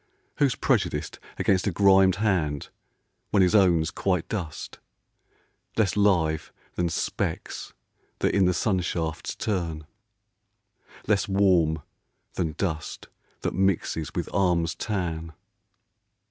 Who's prejudiced Against a grimed hand when his own's quite dust, Less live than specks that in the sun shafts turn, Less warm than dust that mixes with arms' tan